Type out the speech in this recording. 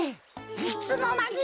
いつのまに！？